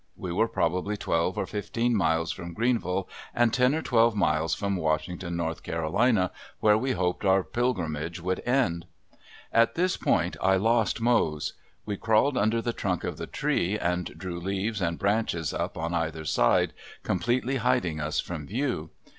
We were probably twelve or fifteen miles from Greenville and ten or twelve miles from Washington, N. C., where we hoped our pilgrimage would end. At this point I lost Mose. We crawled under the trunk of the tree and drew leaves and branches up on either side, completely hiding us from view.